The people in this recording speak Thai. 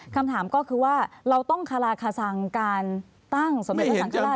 คำถามก็คือว่าเราต้องคาราคสังการตั้งสมัยด้วยสังฆราชอยู่แบบ